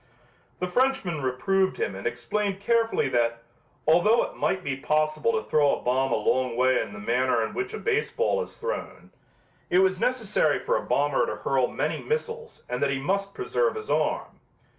The Frenchman reproved him and explained carefully that, although it might be possible to throw a bomb a long way in the manner in which a baseball is thrown, it was necessary for a bomber to hurl many missiles and that he must preserve his arm.